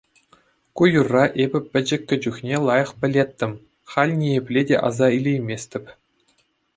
Ку юрра эпӗ пӗчӗккӗ чухне лайӑх пӗлеттӗм, халь ниепле те аса илейместӗп.